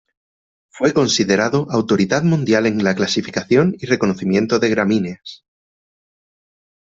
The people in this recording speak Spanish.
Fue considerado "autoridad mundial en la clasificación y reconocimiento de gramíneas".